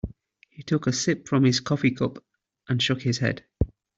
He took a sip from his coffee cup and shook his head.